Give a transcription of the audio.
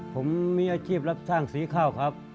ผมมีอาชีพรับจ้างสีข้าวครับ